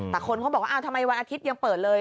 แต่คนเขาบอกว่าทำไมวันอาทิตย์ยังเปิดเลย